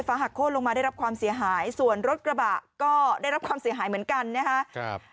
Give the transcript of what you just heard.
หักโค้นลงมาได้รับความเสียหายส่วนรถกระบะก็ได้รับความเสียหายเหมือนกันนะครับ